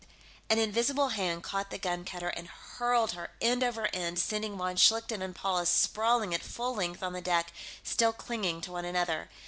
An invisible hand caught the gun cutter and hurled her end over end, sending von Schlichten and Paula sprawling at full length on the deck, still clinging to one another.